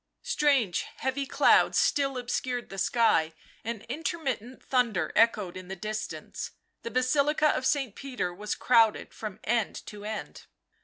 Strange, heavy clouds still obscured the sky, and intermittent thunder echoed in the distance. The Basilica of St. Peter was crowded from end to end.